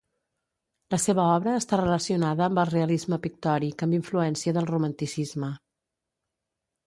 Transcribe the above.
La seva obra està relacionada amb el realisme pictòric amb influència del romanticisme.